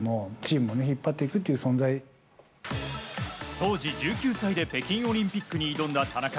当時１９歳で北京オリンピックに挑んだ田中。